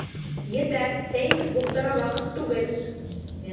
Етәр, сәй эсеп ултырыр ваҡыт түгел!